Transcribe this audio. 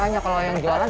makanya kalo yang jualan